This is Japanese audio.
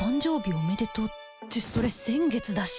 おめでとうってそれ先月だし